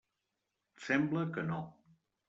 Sembla que no.